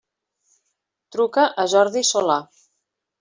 Truca a Jordi Solà.